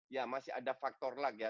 ya masih ada faktor lagi ya